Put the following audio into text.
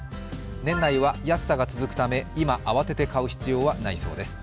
年内は安さが続くため今、慌てて買う必要はないそうです。